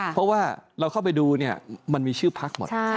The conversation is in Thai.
เพราะว่าเราเข้าไปดูมันมีชื่อพรรคหมด